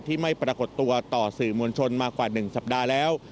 ไม่ปรากฏตัวต่อสื่อมวลชนมากว่า๑สัปดาห์แล้ว